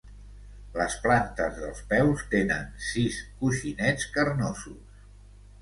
Les plantes dels peus tenen sis coixinets carnosos.